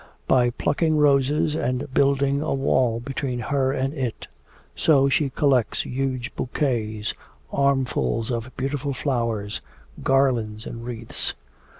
By plucking roses and building a. wall between her and it. So she collects huge bouquets, armfuls of beautiful flowers, garlands and wreaths.